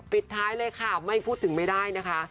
ปิดท้ายเลยค่ะไม่พูดถึงไม่ได้นะคะ